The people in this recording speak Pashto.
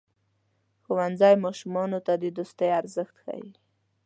ښوونځی ماشومانو ته د دوستۍ ارزښت ښيي.